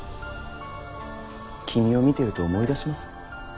君を見てると思い出します。